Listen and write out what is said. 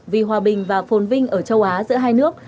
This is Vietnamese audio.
vì hòa bình và phồn vinh ở châu á giữa hai nước